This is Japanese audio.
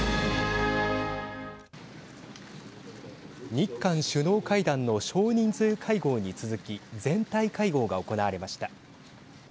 日韓首脳会談の少人数会合に続き全体会合が行われました。